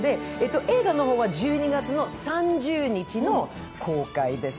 映画の方は１２月３０日の公開です。